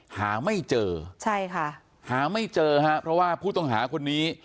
หาไม่เจอใช่ค่ะหาไม่เจอฮะเพราะว่าผู้ต้องหาคนนี้